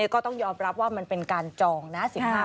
ก็ต้องยอมรับว่ามันเป็นการจองนะ